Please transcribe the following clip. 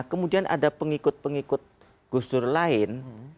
nah kemudian ada pengikut pengikut gusdur lain